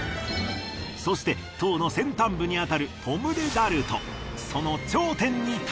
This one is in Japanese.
そして塔の先端部に当たるポムデダルト。